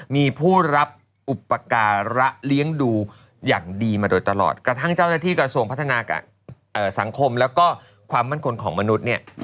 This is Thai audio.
มีผู้รับอุปการะเลี้ยงดูอย่างดีมาโดยตลอดกระทั่งเจ้าหน้าที่กระทรวงพัฒนาสังคมแล้วก็ความมั่นคงของมนุษย์เนี่ย